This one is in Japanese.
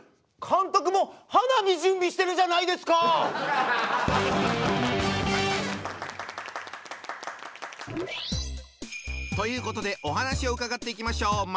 監督も花火準備してるじゃないですか！ということでお話を伺っていきましょう。